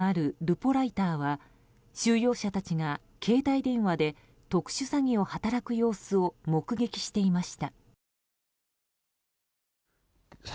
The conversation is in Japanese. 施設に入っていたことがあるルポライターは収容者たちが携帯電話で特殊詐欺を働く様子を目撃していました。